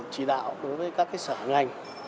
chỉ đạo đối với các sở ngành